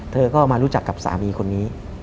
เธอก็มารู้จักกับสามีคนนี้